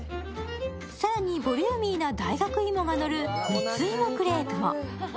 更にボリューミーな大学芋がのる蜜芋クレープも。